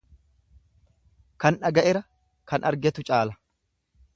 Kan dhaga'era kan argetu caala.